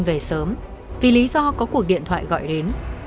trần lê hy a đã xin về sớm vì lý do có cuộc điện thoại gọi đến